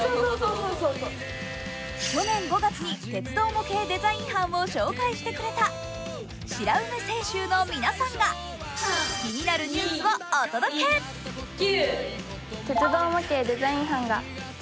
去年５月に鉄道模型デザイン班をお伝えしてくれた白梅清修の皆さんが気になるニュースをお届けかやぶき